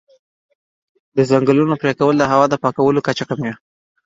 د ځنګلونو پرېکول د هوا د پاکوالي کچه کموي.